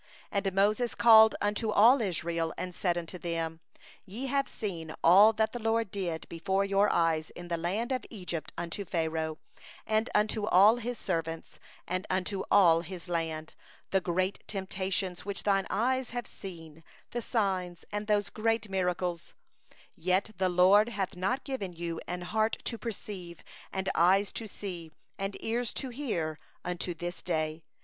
And Moses called unto all Israel, and said unto them: Ye have seen all that the LORD did before your eyes in the land of Egypt unto Pharaoh, and unto all his servants, and unto all his land; 2the great trials which thine eyes saw, the signs and those great wonders; 3but the LORD hath not given you a heart to know, and eyes to see, and ears to hear, unto this day.